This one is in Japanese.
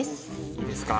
いいですか？